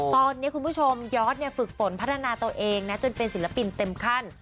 ตอนนี้คุณผู้ชมยอดฝึกฝนพัฒนาตัวเองนะจนเป็นศิลปินเต็มขั้น